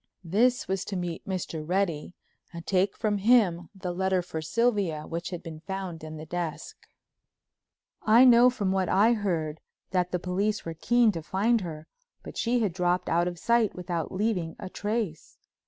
This was to meet Mr. Reddy and take from him the letter for Sylvia which had been found in the desk. I know from what I heard that the police were keen to find her, but she had dropped out of sight without leaving a trace.